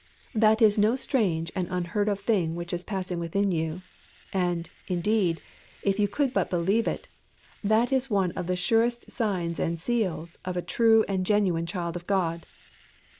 That is no strange and unheard of thing which is passing within you. And, indeed, if you could but believe it, that is one of the surest signs and seals of a true and genuine child of God.